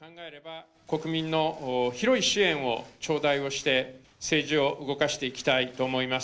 国民の広い支援を頂戴をして、政治を動かしていきたいと思います。